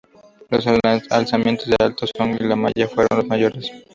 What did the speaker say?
Los alzamientos de Alto Songo y La Maya fueron los mayores.